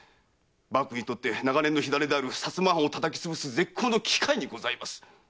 幕府にとって長年の火種である薩摩藩をたたき潰す絶好の機会です！